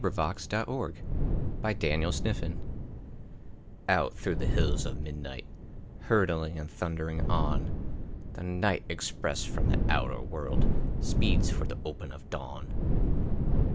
The Night Express Out through the hills of midnight, Hurtling and thundering on, The night express from the outer world Speeds for the open of dawn.